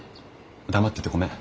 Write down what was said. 黙っててごめん。